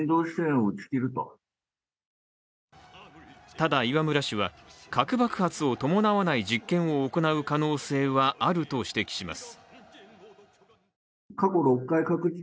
ただ、磐村氏は核爆発を伴わない実験を行う可能性はあると指摘します。